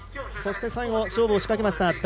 そして、最後勝負を仕掛けました